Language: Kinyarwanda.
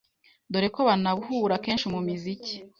dore ko banahura kenshi mumiziki,